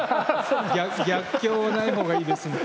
逆境ないほうがいいです。